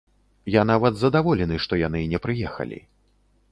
Я нават задаволены, што яны не прыехалі.